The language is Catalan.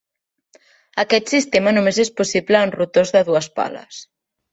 Aquest sistema només és possible en rotors de dues pales.